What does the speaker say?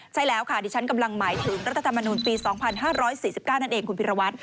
ใช่แล้วค่ะดิฉันกำลังหมายถึงรัฐธรรมนุนปี๒๕๔๙นั่นเองคุณพิรวัตร